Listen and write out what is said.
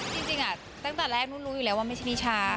จริงตั้งแต่แรกนู้นรู้อยู่แล้วว่าไม่ใช่นิชา